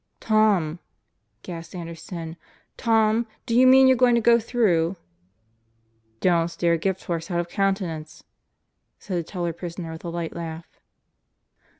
"Tom!" gasped Anderson. "Tom, do you mean you're gonna go through?" "Don't stare a gift horse out of countenance," said the taller prisoner with a light laugh.